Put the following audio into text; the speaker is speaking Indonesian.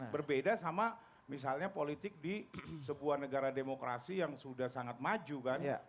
berbeda sama misalnya politik di sebuah negara demokrasi yang sudah sangat maju kan